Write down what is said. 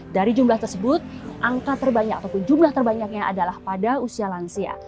dari jumlah tersebut angka terbanyak ataupun jumlah terbanyaknya adalah pada usia lansia